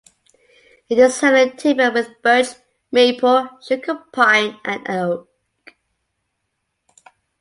It is heavily timbered with Birch, Maple, Sugar Pine and Oak.